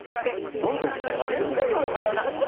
どんどんいっちゃいますね。